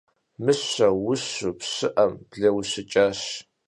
Мыщэр ущу пщыӏэм блэущыкӏащ.